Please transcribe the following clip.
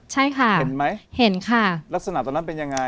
ใช่ค่ะเห็นไหมเห็นค่ะ